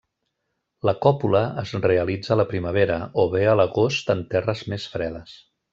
La còpula es realitza a la primavera, o bé a l'agost en terres més fredes.